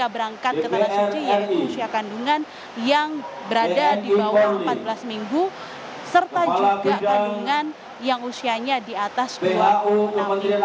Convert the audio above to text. mereka berangkat ke tanah suci yaitu usia kandungan yang berada di bawah empat belas minggu serta juga kandungan yang usianya di atas dua puluh enam